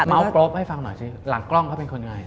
กรบให้ฟังหน่อยสิหลังกล้องเขาเป็นคนยังไง